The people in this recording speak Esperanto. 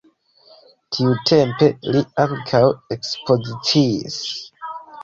Tiutempe li ankaŭ ekspoziciis.